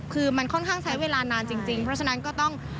คือมันค่อนข้างใช้เวลานานจริงเพราะฉะนั้นก็ต้อง